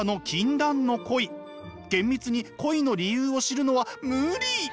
厳密に恋の理由を知るのは無理。